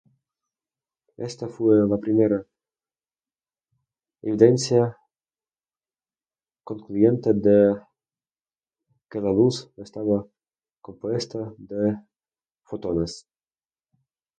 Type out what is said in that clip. Ésta fue la primera evidencia concluyente de que la luz estaba compuesta de fotones.